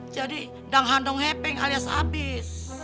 jadi dang handong heping alias abis